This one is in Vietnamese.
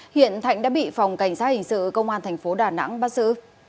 hiện thạnh đã bị phòng cảnh sát hình sự công an thành phố đà nẵng bắt giữ